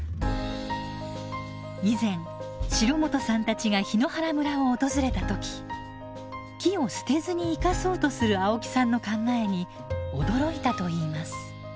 以前城本さんたちが檜原村を訪れた時木を捨てずに生かそうとする青木さんの考えに驚いたといいます。